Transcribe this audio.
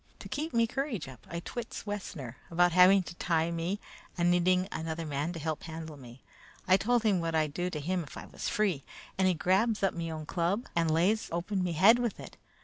To keep me courage up, I twits Wessner about having to tie me and needing another man to help handle me. I told him what I'd do to him if I was free, and he grabs up me own club and lays open me head with it.